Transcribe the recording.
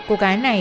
cô gái này